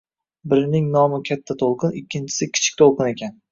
Birining nomi Katta to‘lqin, ikkinchisi Kichik to‘lqin ekan